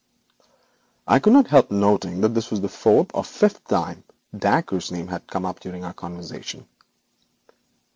I could not help noting that this was the fourth or fifth time Dacre's name had come up during our conversation.